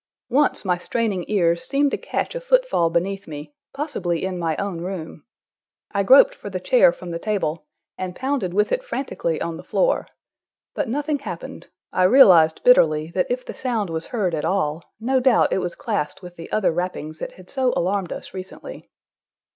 Once my straining ears seemed to catch a footfall beneath me, possibly in my own room. I groped for the chair from the table, and pounded with it frantically on the floor. But nothing happened: I realized bitterly that if the sound was heard at all, no doubt it was classed with the other rappings that had so alarmed us recently.